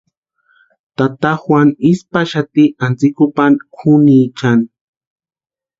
Tata Juanu isï paxati antsikupani kʼunichani.